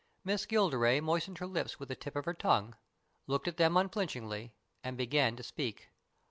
Miss Gilderay moistened her lips with the tip of her tongue, looked at them unflinchingly, and began to speak.